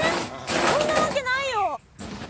そんなわけないよ。